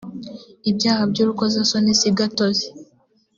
ibyaha by ‘urukozasoni sigatozi.